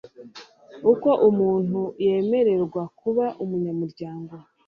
uko umuntu yemererwa kuba umunyamuryango